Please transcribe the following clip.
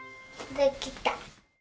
できた。